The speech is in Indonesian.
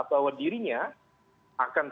bahwa dirinya akan